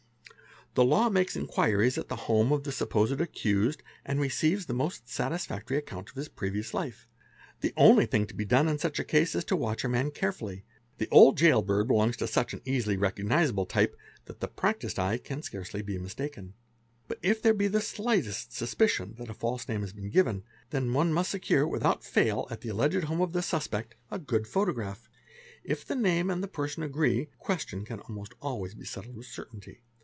The law makes inquiries at the home of the supposed accused, and receives the most satisfactory account of his previous life. The only thing to be done in such a case is to watch our man carefully, the old jail bird belongs to such an easily recognisable type that the practised eye can scarcely be mistaken; but if there be the slightest suspicion © that a false name has been given, then one must secure without fail ab — the alleged home of the suspect a good photograph. If the name and the person agree, the question can be almost always settled with | certainty.